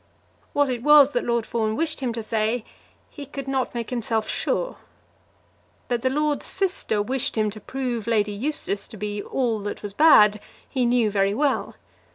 What it was that Lord Fawn wished him to say, he could not make himself sure. That the lord's sister wished him to prove Lady Eustace to be all that was bad, he knew very well.